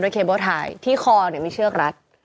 ด้วยเคเบอร์ไหลท์ที่คอเนี่ยไม่เชือกลัด